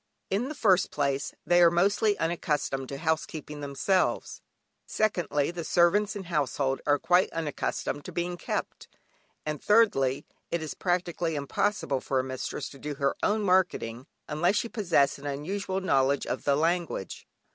In the first place, they are mostly unaccustomed to housekeeping themselves; secondly, the servants and household are quite unaccustomed to being "kept"; and thirdly, it is practically impossible for a mistress to do her own marketing unless she possess an unusual knowledge of the language.